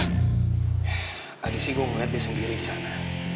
tadi sih gue melihat dia sendiri di sana